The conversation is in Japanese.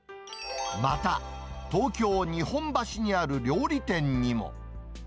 また、東京・日本橋にある料理店にも。